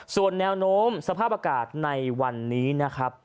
ส่วนแนวโน้มสภาพอากาศในวันนี้นะครับ